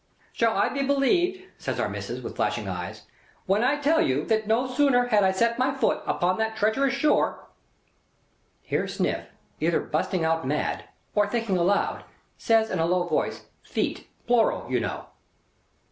"Shall I be believed," says Our Missis, with flashing eyes, "when I tell you that no sooner had I set my foot upon that treacherous shore—" Here Sniff, either busting out mad, or thinking aloud, says, in a low voice: "Feet. Plural, you know."